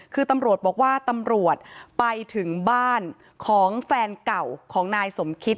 คือตำรวจบอกว่าตำรวจไปถึงบ้านของแฟนเก่าของนายสมคิต